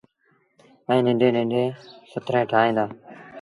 ائيٚݩ ننڍيٚݩ ننڍيٚݩ سٿريٚݩ ٺاهيݩ دآ۔